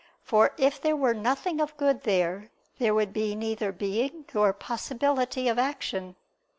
For if there were nothing of good there, there would be neither being nor possibility of action.